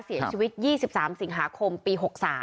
เสียชีวิต๒๓สิงหาคมปี๖๓